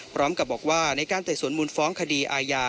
พร้อมกับบอกว่าในการไต่สวนมูลฟ้องคดีอาญา